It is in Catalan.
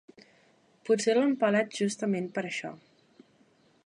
Potser l'han pelat justament per això.